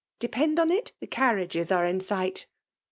— ^Depend on it the carriages are in sight."